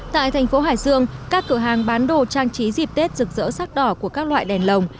tại thành phố hải dương các cửa hàng bán đồ trang trí dịp tết rực rỡ sắc đỏ của các loại đèn lồng